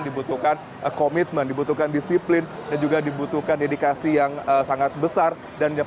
dibutuhkan komitmen dibutuhkan disiplin dan juga dibutuhkan dedikasi yang sangat besar dan yang